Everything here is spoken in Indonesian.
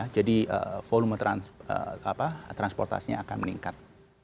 jadi volume transportasinya akan meningkat